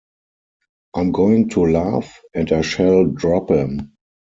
I'm going to laugh, and I shall drop 'em.